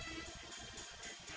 mereka semua sudah berhenti